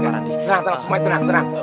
tenang tenang tenang semuanya tenang